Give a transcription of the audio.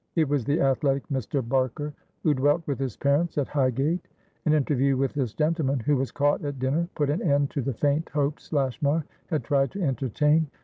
It was the athletic Mr. Barker, who dwelt with his parents at Highgate. An interview with this gentleman, who was caught at dinner, put an end to the faint hopes Lashmar had tried to entertain.